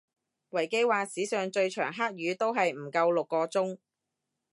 維基話史上最長黑雨都係唔夠六個鐘